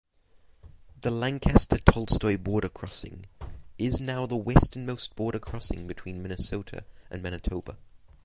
The Lancaster–Tolstoi Border Crossing is now the westernmost border crossing between Minnesota and Manitoba.